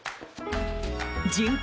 人口